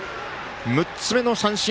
６つ目の三振！